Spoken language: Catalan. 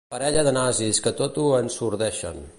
Parella de nazis que tot ho ensordeixen.